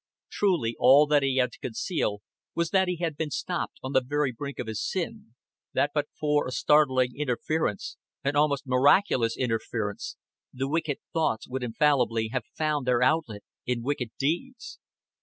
Truly all that he had to conceal was that he had been stopped on the very brink of his sin, that but for a startling interference, an almost miraculous interference, the wicked thoughts would infallibly have found their outlet in wicked deeds.